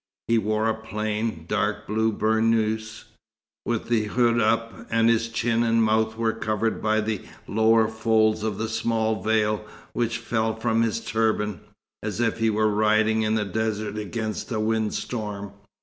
He wore a plain, dark blue burnous, with the hood up, and his chin and mouth were covered by the lower folds of the small veil which fell from his turban, as if he were riding in the desert against a wind storm.